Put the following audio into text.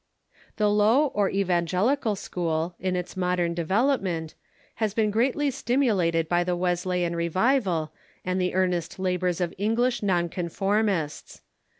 The Low or Evangelical School, in its modern development, has been greatly stimulated by the Wesleyan revival and the ear nest labors of English non conformists.